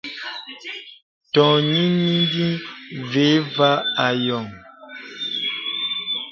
Tɔŋì nìŋì və̄ və a yɔ̄ŋ.